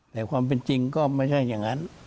แต่ความเป็นจริงก็ไม่ใช่อย่างนั้น